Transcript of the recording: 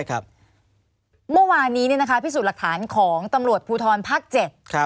เมื่อวานนี้พิสูจน์หลักฐานของตำรวจภูทรภาค๗